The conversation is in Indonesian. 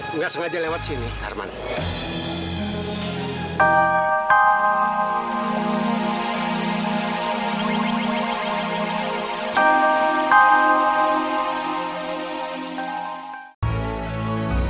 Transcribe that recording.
bapak tahu nama saya dari mana